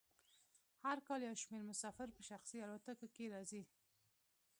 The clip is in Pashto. هر کال یو شمیر مسافر په شخصي الوتکو کې راځي